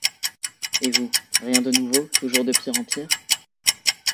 Et vous, rien de nouveau, toujours de pire en pire ?…